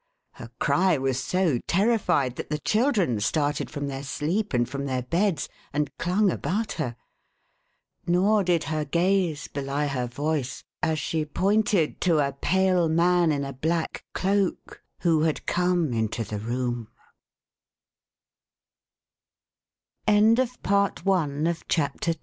Her cry was so terrified, that the children started from their sleep and from their beds, and clung about her. Nor did her gaze belie her voice, as she pointed to a pale man in a black cloak who had come into th